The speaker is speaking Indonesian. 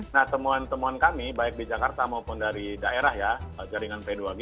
nah temuan temuan kami baik di jakarta maupun dari daerah ya jaringan p dua g